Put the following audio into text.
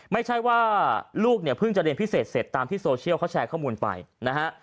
ไม่ใช่ว่าลูกเนี่ยเพิ่งจะเรียนพิเศษเสร็จตามที่โซเชียลเขาแชร์ข้อมูลไปนะฮะ